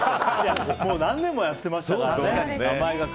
もう何年もやってましたからね。